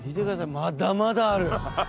まだまだある。